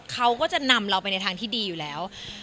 เขาก็จะนำเราไปในทางที่ดีอยู่แล้ว